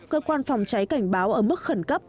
cơ quan phòng cháy cảnh báo ở mức khẩn cấp